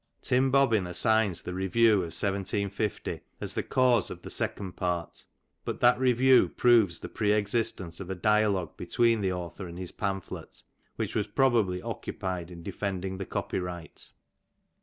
Tim Bobbin assigns the Review of 1750 as the cause of the second part; but that Review proves the pre existence of a dialogue between the author and his pamphlet, which was probably occupied in defending the copyright.